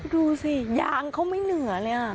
ดูสิยางเขาไม่เหนือเลย